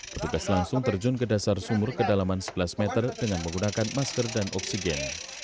petugas langsung terjun ke dasar sumur kedalaman sebelas meter dengan menggunakan masker dan oksigen